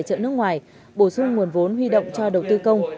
bộ trưởng nước ngoài bổ sung nguồn vốn huy động cho đầu tư công